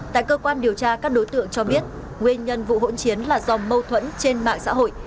tại cơ quan điều tra các đối tượng cho biết nguyên nhân vụ hỗn chiến là do mâu thuẫn trên mạng xã hội